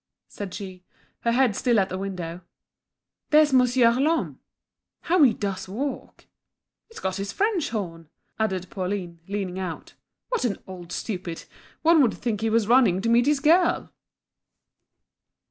said she, her head still at the window, "there's Monsieur Lhomme. How he does walk!" "He's got his French horn," added Pauline, leaning out "What an old stupid! One would think he was running to meet his girl!"